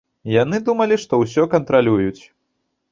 Яны думалі, што ўсё кантралююць.